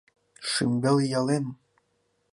Шӱмбел ялем!